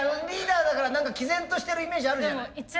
リーダーだから何かきぜんとしてるイメージあるじゃない。